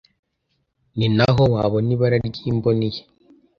ninaho wabona ibara ry’imboni ye.